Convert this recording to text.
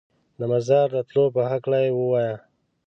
د مزار د تلو په هکله یې ووایه.